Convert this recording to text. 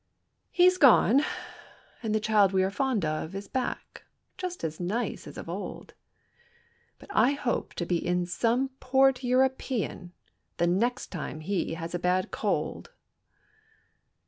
He's gone, and the child we are fond of Is back, just as nice as of old. But I hope to be in some port European The next time he has a bad cold.